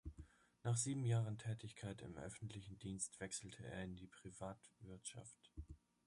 Nach sieben Jahren Tätigkeit im öffentlichen Dienst wechselte er in die Privatwirtschaft.